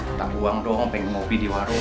kita buang doang pengen ngopi di warung